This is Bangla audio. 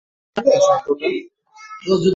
শুনলে শব্দ টা?